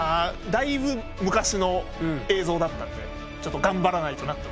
だいぶ昔の映像だったんでちょっと頑張らないとなと思いましたね。